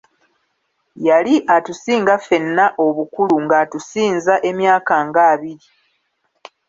Yali atusinga ffenna obukulu ng'atusinza emyaka ng'abiri.